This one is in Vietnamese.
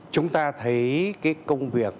chúng ta thấy cái công việc